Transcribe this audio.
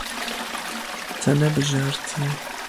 Te nebijartiye.